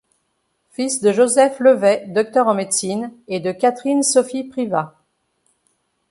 Fils de Joseph Levet, Docteur en Médecine, et de Catherine Sophie Privat.